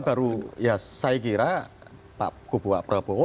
saya kira pak gubu waprabowo